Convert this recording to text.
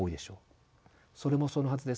それもそのはずです。